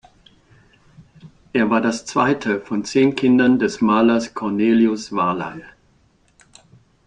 Er war das zweite von zehn Kindern des Malers Cornelius Varley.